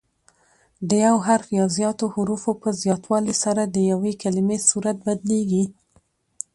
د یو حرف یا زیاتو حروفو په زیاتوالي سره د یوې کلیمې صورت بدلیږي.